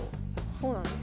そうなんですよ。